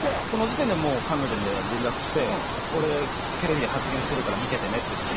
その時点で彼女には連絡して俺テレビで発言するから見ててねって。